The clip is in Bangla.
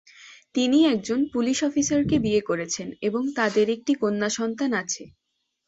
তিনি একজন পুলিশ অফিসারকে বিয়ে করেছেন এবং তাদের একটি কন্যা সন্তান আছে।